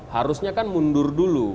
harusnya kan mundur dulu